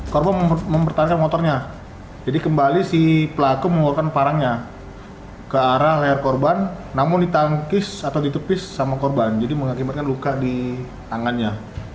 korban mempertahankan motornya jadi kembali si pelaku mengeluarkan parangnya ke arah leher korban namun ditangkis atau ditepis sama korban jadi mengakibatkan luka di tangannya